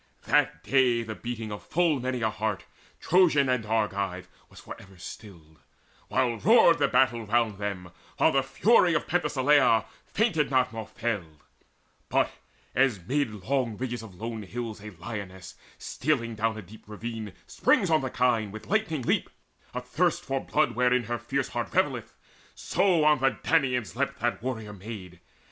That day the beating of full many a heart, Trojan and Argive, was for ever stilled, While roared the battle round them, while the fury Of Penthesileia fainted not nor failed; But as amid long ridges of lone hills A lioness, stealing down a deep ravine, Springs on the kine with lightning leap, athirst For blood wherein her fierce heart revelleth; So on the Danaans leapt that warrior maid.